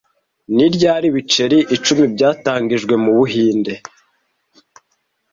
Ni ryari ibiceri icumi byatangijwe mu Buhinde